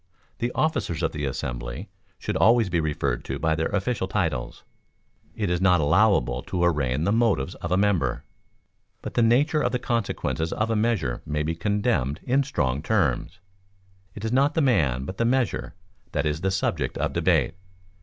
The officers of the assembly should always be referred to by their official titles. It is not allowable to arraign the motives of a member, but the nature or consequences of a measure may be condemned in strong terms. It is not the man, but the measure, that is the subject of debate.